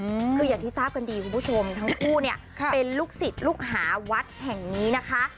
อืมคืออย่างที่ทราบกันดีคุณผู้ชมทั้งคู่เนี้ยค่ะเป็นลูกศิษย์ลูกหาวัดแห่งนี้นะคะ